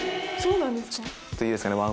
そうなんですか？